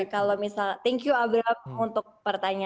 oke kalau misalnya thank you abram untuk pertanyaan